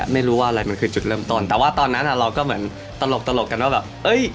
ไม่รู้ว่าอะไรมันคือจุดเริ่มต้นแต่ว่าตอนนั้นอ่ะเราก็เหมือนตลกกันว่าแบบเอ้ย